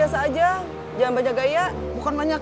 saya kan jadi gak enak